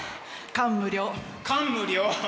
感無量！